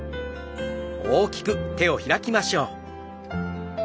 大きく手を開きましょう。